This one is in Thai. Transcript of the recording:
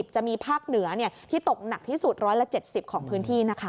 จะมีภาคเหนือที่ตกหนักที่สุด๑๗๐ของพื้นที่นะคะ